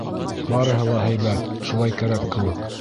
Барыһы ла һәйбәт, шулай кәрәк кеүек.